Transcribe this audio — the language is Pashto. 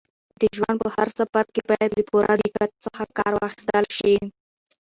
د ژوند په هر سفر کې باید له پوره دقت څخه کار واخیستل شي.